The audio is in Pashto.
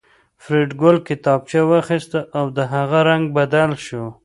فریدګل کتابچه واخیسته او د هغه رنګ بدل شو